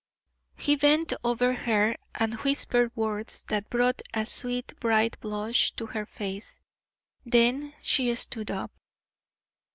He bent over her and whispered words that brought a sweet, bright blush to her face; then she stood up.